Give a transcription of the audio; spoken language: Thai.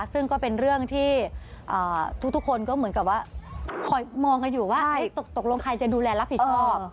ซึ่งก็เป็นเรื่องที่ทุกคนก็เหมือนกับว่าคอยมองกันอยู่ว่าตกลงใครจะดูแลรับผิดชอบ